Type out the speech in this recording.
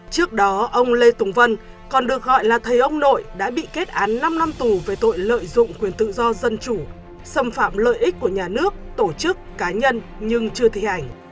trước đó ông lê tùng vân còn được gọi là thầy ông nội đã bị kết án năm năm tù về tội lợi dụng quyền tự do dân chủ xâm phạm lợi ích của nhà nước tổ chức cá nhân nhưng chưa thi hành